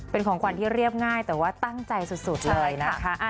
เป็นของขวัญที่เรียบง่ายแต่ว่าตั้งใจสุดเลยนะคะ